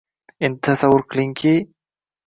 Endi tasavvur qilingki